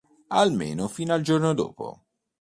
Almeno fino al giorno dopo.